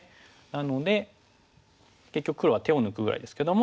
なので結局黒は手を抜くぐらいですけども。